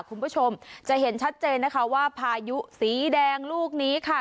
คุณผู้ชมจะเห็นชัดเจนนะคะว่าพายุสีแดงลูกนี้ค่ะ